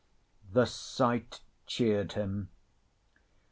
The sight cheered him.